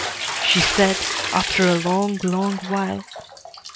she said, after a long, long while.